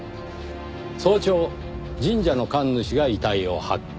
早朝神社の神主が遺体を発見。